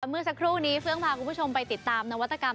เมื่อสักครู่นี้เฟื้องพาคุณผู้ชมไปติดตามนวัตกรรม